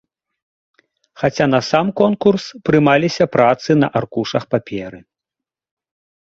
Хаця на сам конкурс прымаліся працы на аркушах паперы.